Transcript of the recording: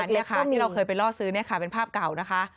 นี่ค่ะที่เราเคยไปล่อซื้อเป็นภาพเก่านะคะ